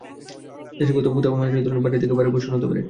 দেশের কোথাও কোথাও মাঝারি ধরনের ভারী থেকে ভারী বর্ষণ হতে পারে।